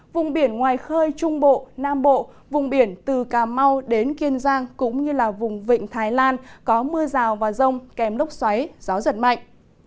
vùng biển ngoài khơi trung bộ nam bộ vùng biển từ cà mau đến kiên giang cũng như là vùng vịnh thái lan có mưa rào và rông kèm lốc xoáy gió giật mạnh